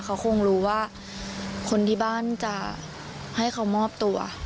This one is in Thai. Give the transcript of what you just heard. เขาคงรู้ว่าคนที่บ้านจะให้เขามอบตัว